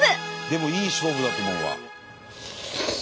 でもいい勝負だと思うわ。